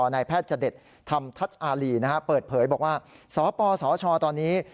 ในแพทย์จด็จทำทัชอารีนะครับเปิดเผยบอกว่าสปสชตอนนี้